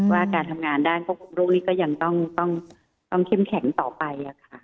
ว่าการทำงานด้านควบคุมโรคนี้ก็ยังต้องเข้มแข็งต่อไป